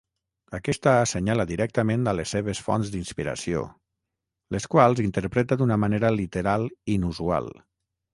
Aquesta assenyala directament a les seves fonts d'inspiració, les quals interpreta d'una manera literal inusual.